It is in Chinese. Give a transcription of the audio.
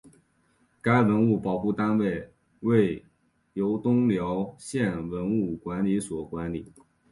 该文物保护单位由东辽县文物管理所管理。